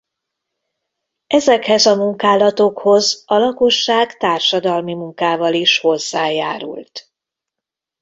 Ezekhez a munkálatokhoz a lakosság társadalmi munkával is hozzájárult.